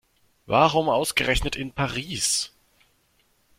Warum ausgerechnet in Paris?